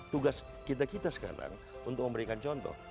tugas kita kita sekarang untuk memberikan contoh